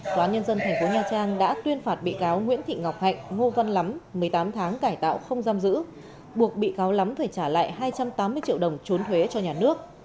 tòa nhân dân tp nha trang đã tuyên phạt bị cáo nguyễn thị ngọc hạnh ngô văn lắm một mươi tám tháng cải tạo không giam giữ buộc bị cáo lắm phải trả lại hai trăm tám mươi triệu đồng trốn thuế cho nhà nước